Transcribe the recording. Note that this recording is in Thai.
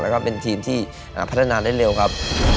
แล้วก็เป็นทีมที่พัฒนาได้เร็วครับ